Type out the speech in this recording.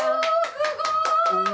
すごーい！